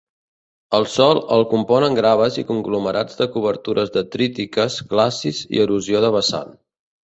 El sòl el componen graves i conglomerats de cobertures detrítiques, glacis i erosió de vessant.